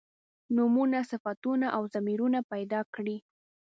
نومونه صفتونه او ضمیرونه پیدا کړي.